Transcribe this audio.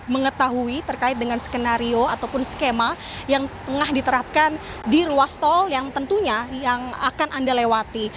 mengetahui terkait dengan skenario ataupun skema yang tengah diterapkan di ruas tol yang tentunya yang akan anda lewati